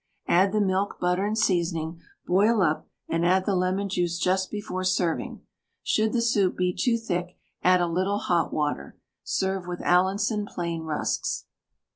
Add the milk, butter, and seasoning, boil up, and add the lemon juice just before serving. Should the soup be too thick add a little hot water. Serve with Allinson plain rusks.